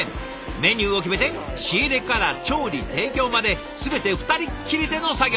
メニューを決めて仕入れから調理提供まで全て２人っきりでの作業。